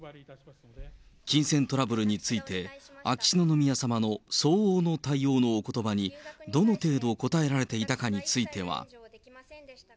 金銭トラブルについて、秋篠宮さまの相応の対応のおことばに、どの程度応えられていたかについては。